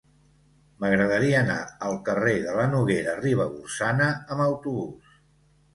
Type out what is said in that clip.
M'agradaria anar al carrer de la Noguera Ribagorçana amb autobús.